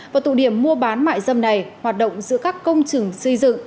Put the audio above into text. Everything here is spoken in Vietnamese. và tụ điểm mua bán mại dâm này hoạt động giữa các công trình xây dựng